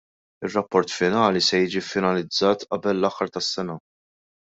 Ir-rapport finali se jiġi ffinalizzat qabel l-aħħar tas-sena.